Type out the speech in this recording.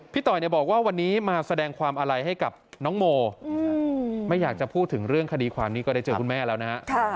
ต่อยบอกว่าวันนี้มาแสดงความอาลัยให้กับน้องโมไม่อยากจะพูดถึงเรื่องคดีความนี้ก็ได้เจอคุณแม่แล้วนะฮะ